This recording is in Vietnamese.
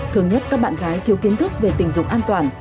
thường nhất các bạn gái thiếu kiến thức về tình dục an toàn